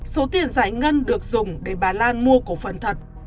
số tiền giải ngân được dùng để bà lan mua cổ phần thật